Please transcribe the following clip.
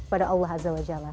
pada allah azza wa jalla